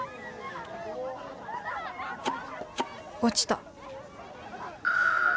「落ちた」